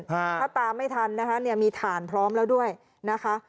ถ้าตามไม่ทันมีถ่านพร้อมแล้วด้วยนะคะ